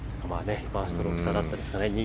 １ストローク差だったんですかね。